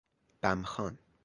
بم خوان